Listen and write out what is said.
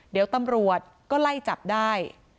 เดี๋ยวตำรวจก็ไล่จับได้